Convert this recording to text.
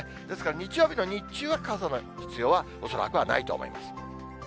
ですから日曜日の日中は傘の必要は、恐らくはないと思います。